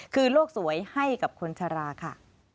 คือโลกสวยให้กับคนชะลาค่ะ